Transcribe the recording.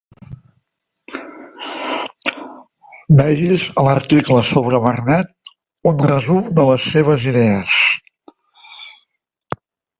Vegi's a l'article sobre Barnett un resum de les seves idees.